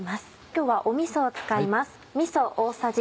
今日はみそを使います。